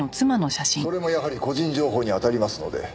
それもやはり個人情報に当たりますので。